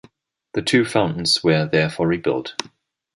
The two fountains were therefore rebuilt.